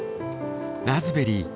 ラズベリー。